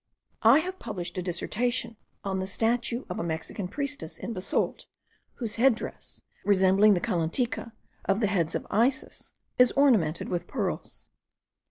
I have published a dissertation on the statue of a Mexican priestess in basalt, whose head dress, resembling the calantica of the heads of Isis, is ornamented with pearls.